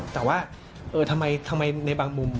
แต่ว่าทำไมในบางมุม